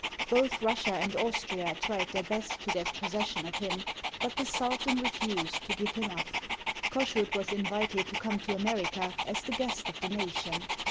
Both Russia and Austria tried their best to get possession of him, but the sultan refused to give him up. Kossuth was invited to come to America as the guest of the nation.